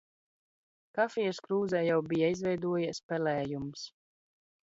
Kafijas krūzē jau bija izveidojies pelējums.